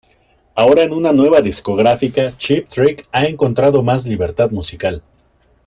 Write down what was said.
Ahora en una nueva discográfica, Cheap Trick ha encontrado más libertad musical.